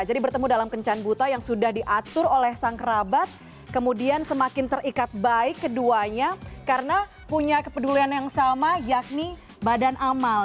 jadi bertemu dalam kencan buta yang sudah diatur oleh sang kerabat kemudian semakin terikat baik keduanya karena punya kepedulian yang sama yakni badan amal